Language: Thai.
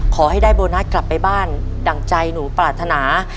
ขอให้ได้โบนัสกลับไปบ้านดั่งใจหนูปรารถนา